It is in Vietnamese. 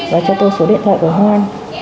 và cho tôi số điện thoại của hoan